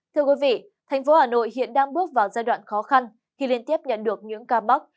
thưa quý vị thành phố hà nội hiện đang bước vào giai đoạn khó khăn khi liên tiếp nhận được những ca mắc